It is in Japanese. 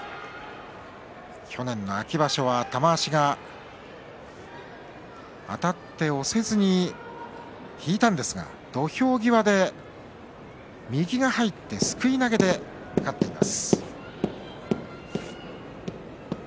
去年の秋場所は玉鷲があたって押せずに引いたんですが土俵際で右が入ってすくい投げで勝っています。